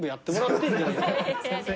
すいません。